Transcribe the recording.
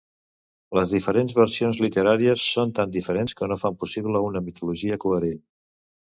Les diferents versions literàries són tan diferents que no fan possible una mitologia coherent.